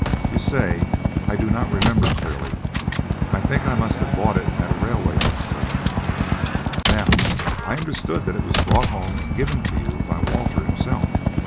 you say, 'I do not remember clearly; I think I must have bought it at a railway bookstall.' Now I understood that it was brought home and given to you by Walter himself."